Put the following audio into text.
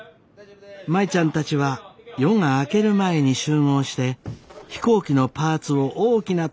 舞ちゃんたちは夜が明ける前に集合して飛行機のパーツを大きなトラックで滑走路まで運びます。